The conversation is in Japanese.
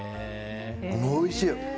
おいしい。